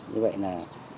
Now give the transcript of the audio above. như vậy là